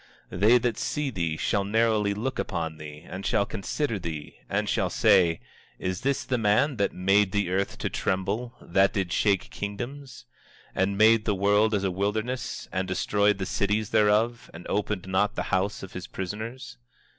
24:16 They that see thee shall narrowly look upon thee, and shall consider thee, and shall say: Is this the man that made the earth to tremble, that did shake kingdoms? 24:17 And made the world as a wilderness, and destroyed the cities thereof, and opened not the house of his prisoners?